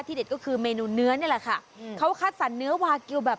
เด็ดก็คือเมนูเนื้อนี่แหละค่ะอืมเขาคัดสรรเนื้อวากิลแบบ